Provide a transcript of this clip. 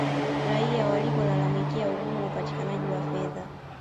raia walipolalamikia ugumu wa upatikanaji wa fedha